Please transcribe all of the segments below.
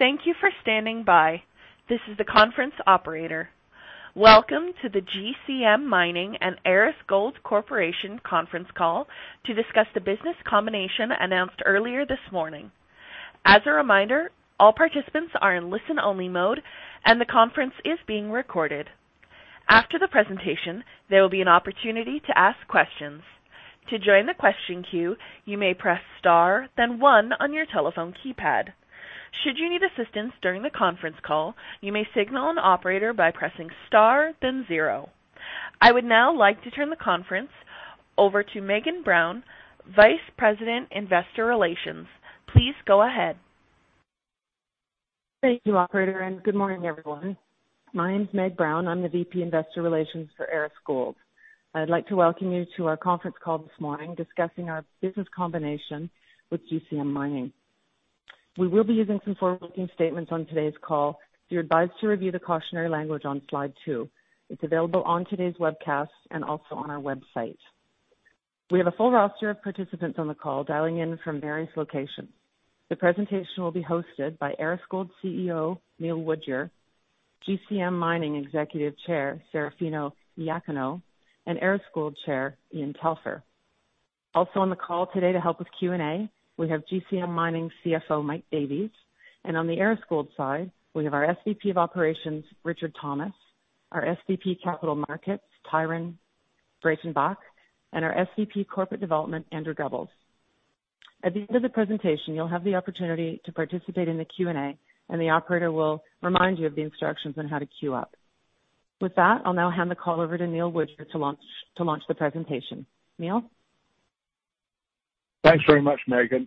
Thank you for standing by. This is the conference operator. Welcome to the GCM Mining and Aris Gold Corporation Conference Call to discuss the business combination announced earlier this morning. As a reminder, all participants are in listen-only mode, and the conference is being recorded. After the presentation, there will be an opportunity to ask questions. To join the question queue, you may press star then one on your telephone keypad. Should you need assistance during the conference call, you may signal an operator by pressing star then zero. I would now like to turn the conference over to Meghan Brown, Vice President, Investor Relations. Please go ahead. Thank you, operator, and good morning, everyone. My name's Meghan Brown. I'm the VP, Investor Relations for Aris Gold. I'd like to welcome you to our conference call this morning discussing our business combination with GCM Mining. We will be using some forward-looking statements on today's call. You're advised to review the cautionary language on slide two. It's available on today's webcast and also on our website. We have a full roster of participants on the call dialing in from various locations. The presentation will be hosted by Aris Gold Chief Executive Officer, Neil Woodyer, GCM Mining Executive Chair, Serafino Iacono, and Aris Gold Chair, Ian Telfer. Also on the call today to help with Q&A, we have GCM Mining Chief Financial Officer, Mike Davies, and on the Aris Gold side, we have our Senior Vice President of Operations, Richard Thomas, our Senior Vice President of Capital Markets, Tyron Breytenbach, and our Senior Vice President Corporate Development, Andrew Gubbels. At the end of the presentation, you'll have the opportunity to participate in the Q&A, and the operator will remind you of the instructions on how to queue up. With that, I'll now hand the call over to Neil Woodyer to launch the presentation. Neil? Thanks very much, Megan.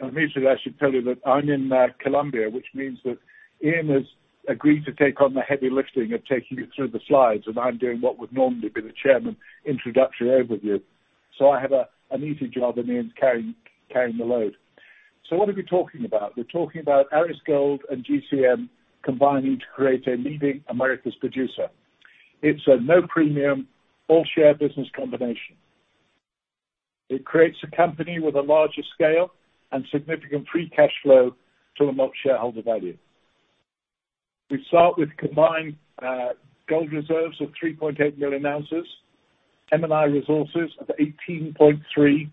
Immediately, I should tell you that I'm in Colombia, which means that Ian has agreed to take on the heavy lifting of taking you through the slides, and I'm doing what would normally be the chairman introductory overview. I have an easy job, and Ian's carrying the load. What are we talking about? We're talking about Aris Gold and GCM combining to create a leading Americas producer. It's a no premium, all-share business combination. It creates a company with a larger scale and significant free cash flow to unlock shareholder value. We start with combined gold reserves of 3.8 million ounces, M&I resources of 18.3,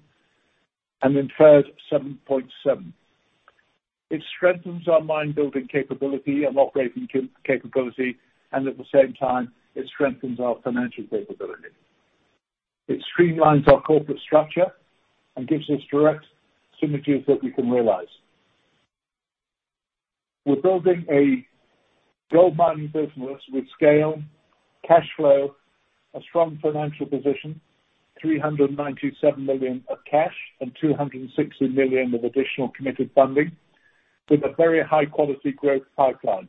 and inferred 7.7. It strengthens our mine-building capability and operating capability, and at the same time, it strengthens our financial capability. It streamlines our corporate structure and gives us direct synergies that we can realize. We're building a gold mining business with scale, cash flow, a strong financial position, $397 million of cash and $260 million of additional committed funding with a very high-quality growth pipeline.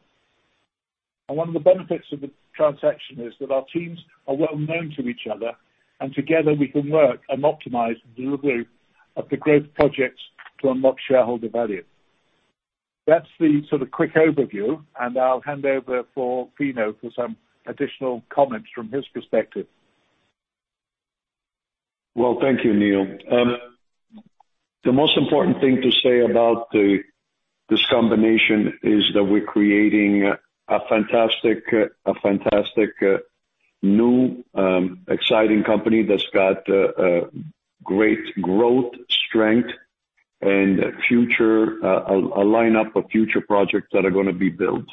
One of the benefits of the transaction is that our teams are well-known to each other, and together, we can work and optimize the group of the growth projects to unlock shareholder value. That's the sort of quick overview, and I'll hand over to Serafino for some additional comments from his perspective. Well, thank you, Neil. The most important thing to say about this combination is that we're creating a fantastic new exciting company that's got a great growth strength and future, a lineup of future projects that are gonna be built.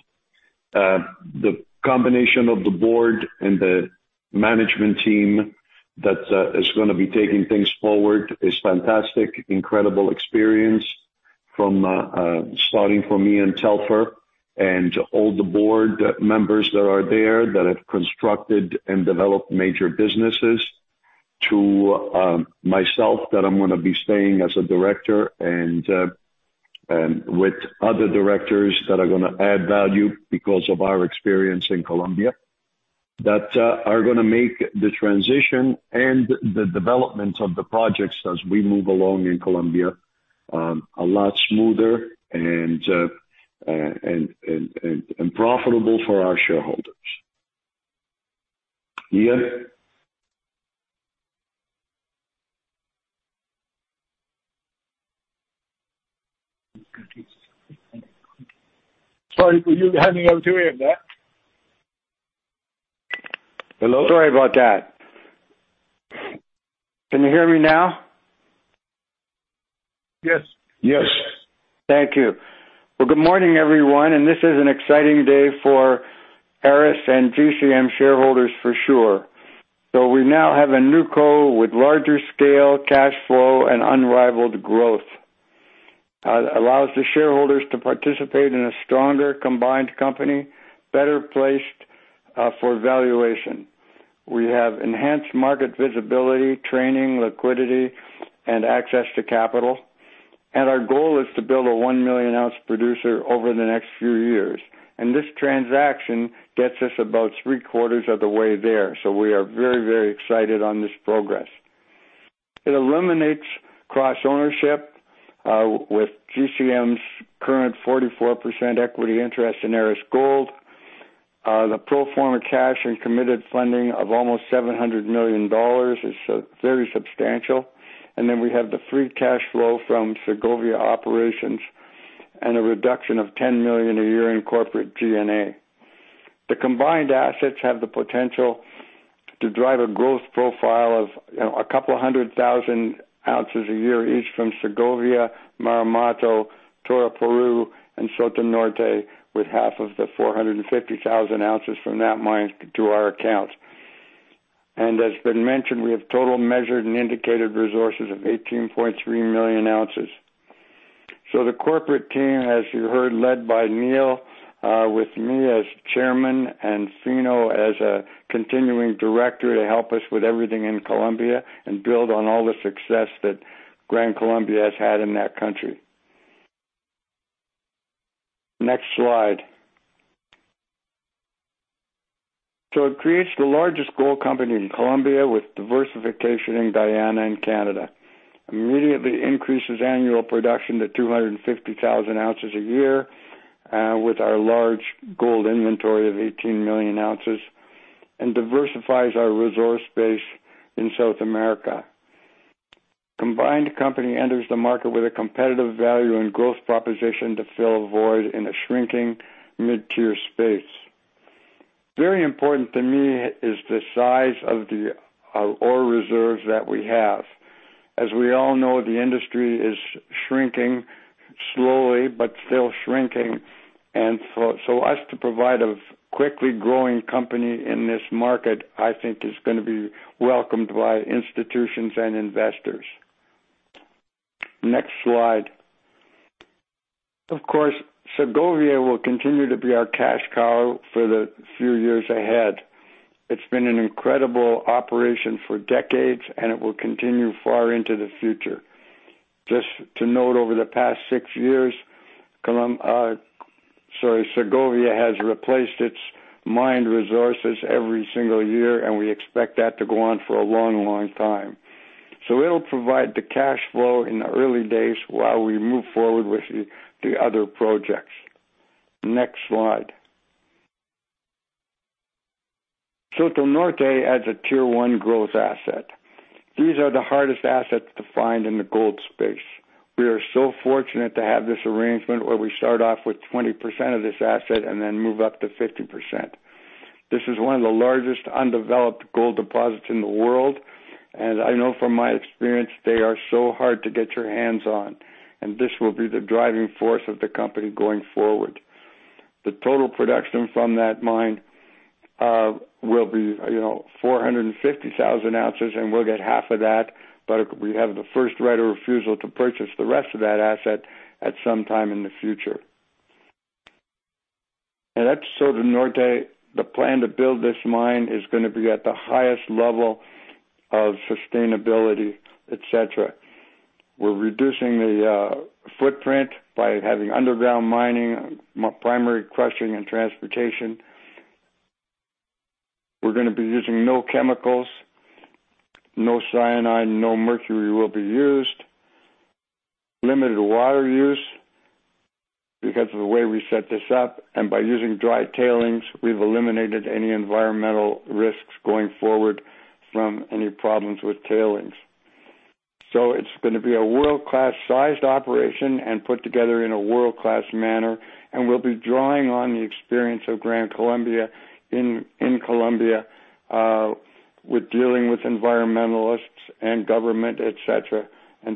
The combination of the board and the management team that is gonna be taking things forward is fantastic. Incredible experience from starting from Ian Telfer and all the board members that are there that have constructed and developed major businesses to myself that I'm gonna be staying as a director and with other directors that are gonna add value because of our experience in Colombia that are gonna make the transition and the development of the projects as we move along in Colombia a lot smoother and profitable for our shareholders. Ian? Sorry, were you handing over to Ian there? Hello? Sorry about that. Can you hear me now? Yes. Yes. Thank you. Well, good morning, everyone, and this is an exciting day for Aris and GCM shareholders for sure. We now have a Newco with larger scale, cash flow, and unrivaled growth. It allows the shareholders to participate in a stronger combined company, better placed for valuation. We have enhanced market visibility, trading, liquidity, and access to capital, and our goal is to build a 1 million ounce producer over the next few years. This transaction gets us about three-quarters of the way there, so we are very, very excited on this progress. It eliminates cross-ownership with GCM's current 44% equity interest in Aris Gold. The pro forma cash and committed funding of almost $700 million is very substantial. We have the free cash flow from Segovia operations and a reduction of $10 million a year in corporate G&A. The combined assets have the potential to drive a growth profile of a couple 100,000 ounces a year each from Segovia, Marmato, Toroparu and Soto Norte, with half of the 450,000 ounces from that mine to our accounts. Has been mentioned, we have total measured and indicated resources of 18.3 million ounces. The corporate team, as you heard, led by Neil, with me as Chairman and Serafino as a continuing director to help us with everything in Colombia and build on all the success that Gran Colombia has had in that country. Next slide. It creates the largest gold company in Colombia with diversification in Guyana and Canada. Immediately increases annual production to 250,000 ounces a year, with our large gold inventory of 18 million ounces, and diversifies our resource base in South America. Combined company enters the market with a competitive value and growth proposition to fill a void in a shrinking mid-tier space. Very important to me is the size of the ore reserves that we have. As we all know, the industry is shrinking slowly but still shrinking. Us to provide a quickly growing company in this market, I think is gonna be welcomed by institutions and investors. Next slide. Of course, Segovia will continue to be our cash cow for the few years ahead. It's been an incredible operation for decades, and it will continue far into the future. Just to note, over the past six years, Segovia has replaced its mined resources every single year, and we expect that to go on for a long, long time. It'll provide the cash flow in the early days while we move forward with the other projects. Next slide. Soto Norte adds a tier one growth asset. These are the hardest assets to find in the gold space. We are so fortunate to have this arrangement where we start off with 20% of this asset and then move up to 50%. This is one of the largest undeveloped gold deposits in the world. I know from my experience they are so hard to get your hands on, and this will be the driving force of the company going forward. The total production from that mine will be you know, 450,000 ounces, and we'll get half of that, but we have the first right of refusal to purchase the rest of that asset at some time in the future. At Soto Norte, the plan to build this mine is gonna be at the highest level of sustainability, et cetera. We're reducing the footprint by having underground mining, primary crushing and transportation. We're gonna be using no chemicals, no cyanide, no mercury will be used. Limited water use because of the way we set this up, and by using dry tailings, we've eliminated any environmental risks going forward from any problems with tailings. It's gonna be a world-class sized operation and put together in a world-class manner, and we'll be drawing on the experience of Gran Colombia in Colombia with dealing with environmentalists and government, et cetera.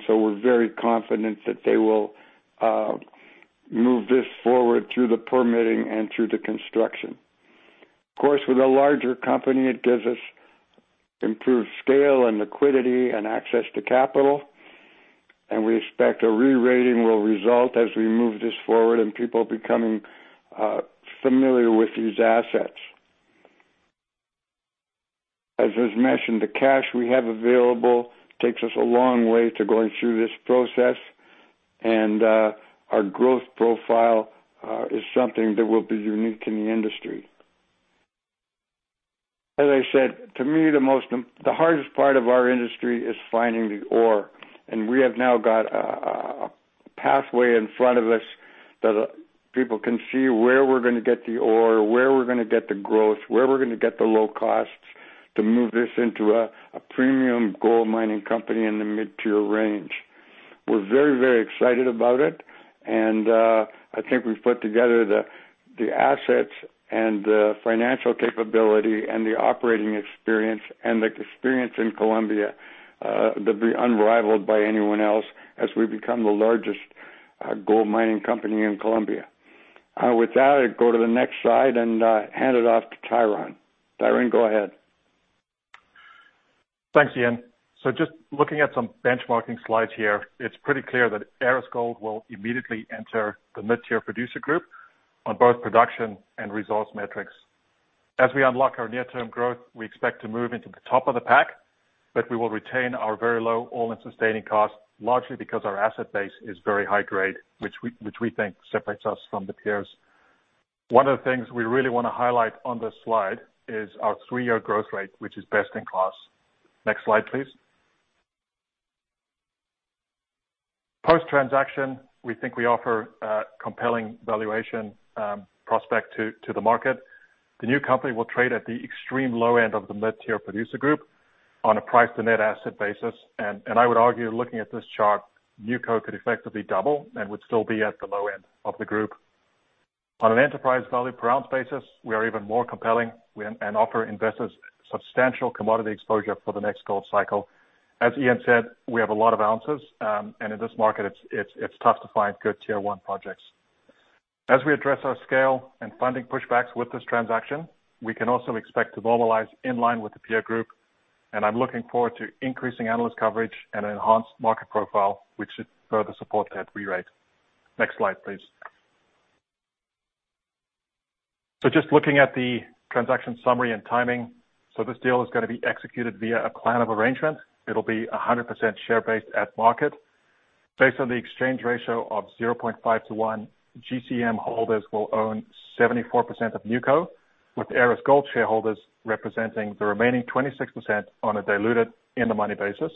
We're very confident that they will move this forward through the permitting and through the construction. Of course, with a larger company, it gives us improved scale and liquidity and access to capital, and we expect a re-rating will result as we move this forward and people becoming familiar with these assets. As was mentioned, the cash we have available takes us a long way to going through this process, and our growth profile is something that will be unique in the industry. As I said, to me, the hardest part of our industry is finding the ore, and we have now got a pathway in front of us that people can see where we're gonna get the ore, where we're gonna get the growth, where we're gonna get the low costs to move this into a premium gold mining company in the mid-tier range. We're very, very excited about it, and I think we've put together the assets and the financial capability and the operating experience and the experience in Colombia that'd be unrivaled by anyone else as we become the largest gold mining company in Colombia. With that, I'd go to the next slide and hand it off to Tyron. Tyron, go ahead. Thanks, Ian. Just looking at some benchmarking slides here, it's pretty clear that Aris Gold will immediately enter the mid-tier producer group on both production and resource metrics. As we unlock our near-term growth, we expect to move into the top of the pack, but we will retain our very low all-in sustaining costs, largely because our asset base is very high grade, which we think separates us from the peers. One of the things we really wanna highlight on this slide is our three-year growth rate, which is best in class. Next slide, please. This transaction, we think we offer a compelling valuation, prospect to the market. The new company will trade at the extreme low end of the mid-tier producer group on a price to net asset basis. I would argue, looking at this chart, Newco could effectively double and would still be at the low end of the group. On an enterprise value per ounce basis, we are even more compelling and offer investors substantial commodity exposure for the next gold cycle. As Ian said, we have a lot of ounces, and in this market, it's tough to find good tier one projects. As we address our scale and funding pushbacks with this transaction, we can also expect to normalize in line with the peer group. I'm looking forward to increasing analyst coverage and enhanced market profile, which should further support that re-rate. Next slide, please. Just looking at the transaction summary and timing. This deal is gonna be executed via a plan of arrangement. It'll be 100% share based at market. Based on the exchange ratio of 0.5 to 1, GCM holders will own 74% of Newco, with Aris Gold shareholders representing the remaining 26% on a diluted in the money basis.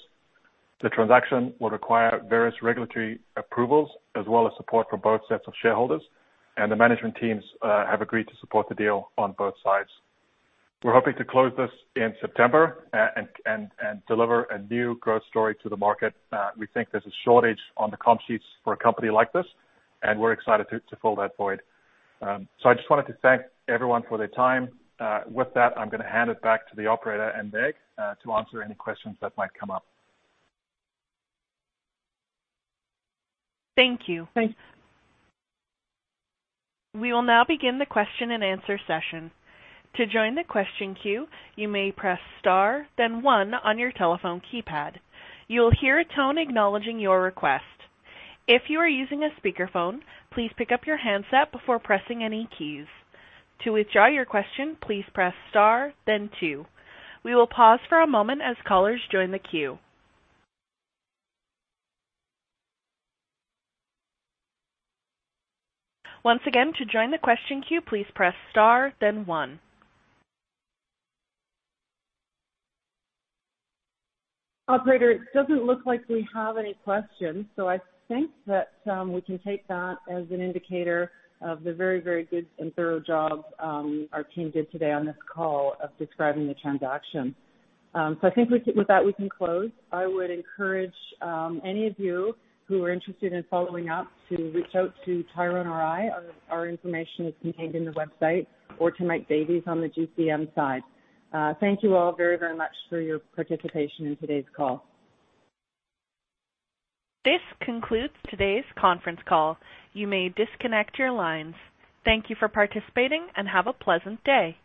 The transaction will require various regulatory approvals as well as support from both sets of shareholders. The management teams have agreed to support the deal on both sides. We're hoping to close this in September and deliver a new growth story to the market. We think there's a shortage on the comp sheets for a company like this, and we're excited to fill that void. I just wanted to thank everyone for their time. With that, I'm gonna hand it back to the operator and Meg to answer any questions that might come up. Thank you. Thanks. We will now begin the question and answer session. To join the question queue, you may press star then one on your telephone keypad. You will hear a tone acknowledging your request. If you are using a speakerphone, please pick up your handset before pressing any keys. To withdraw your question, please press star then two. We will pause for a moment as callers join the queue. Once again, to join the question queue, please press star then one. Operator, it doesn't look like we have any questions, so I think that we can take that as an indicator of the very, very good and thorough job our team did today on this call of describing the transaction. I think with that, we can close. I would encourage any of you who are interested in following up to reach out to Tyron or I. Our information is contained in the website, or to Mike Davies on the GCM side. Thank you all very, very much for your participation in today's call. This concludes today's conference call. You may disconnect your lines. Thank you for participating, and have a pleasant day.